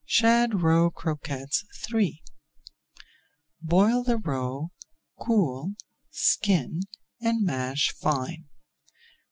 SHAD ROE CROQUETTES III Boil the roe, cool, skin, and mash fine.